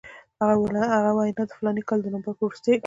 هغه وینا د فلاني کال د نومبر په وروستیو کې.